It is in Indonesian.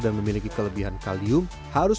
dan memiliki kelebihan kalium harus